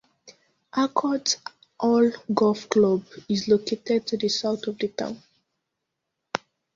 Arcot Hall Golf Club is located to the south of the town.